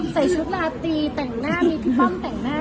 ใส่ชุดลาตีแต่งหน้ามีพี่ป้อมแต่งหน้า